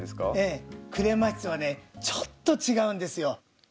クレマチスはねちょっと違うんですよ。